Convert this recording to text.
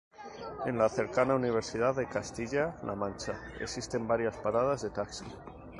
En la cercana Universidad de Castilla-La Mancha existen varias paradas de taxi.